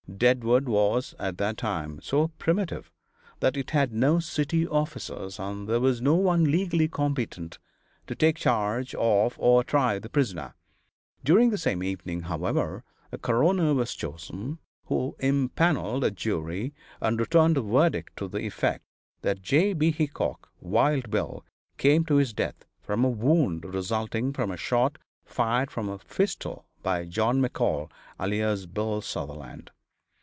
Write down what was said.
Deadwood was, at that time, so primitive that it had no city officers, and there was no one legally competent to take charge of or try the prisoner. During the same evening, however, a coroner was chosen, who impaneled a jury and returned a verdict to the effect that J. B. Hickok (Wild Bill) came to his death from a wound resulting from a shot fired from a pistol by John McCall, alias Bill Sutherland.